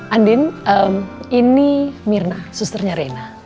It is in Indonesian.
andin ini mirna susternya reina